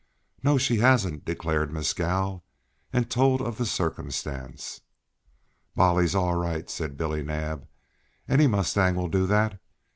"No, she hasn't," declared Mescal, and told of the circumstance. "Bolly's all right," said Billy Naab. "Any mustang will do that.